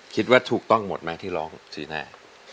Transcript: คิดว่าถูกต้องหมดไหมที่ร้องจีน่า